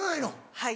はい。